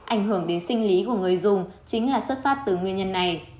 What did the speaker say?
ảnh hưởng đến sinh lý của người dùng chính là xuất phát từ nguyên nhân này